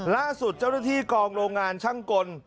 ล่าสุดจ้าวทีกองโรงงานข้างกน